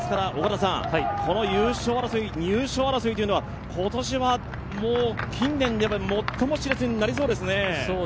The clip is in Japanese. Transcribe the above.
この優勝争い、入賞争いは今年は近年では最もしれつになりそうですね。